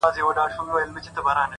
هره ورځ د ځان جوړولو چانس دی؛